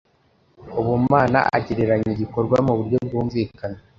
ubumana agereranya igikorwa mu buryo bwumvikana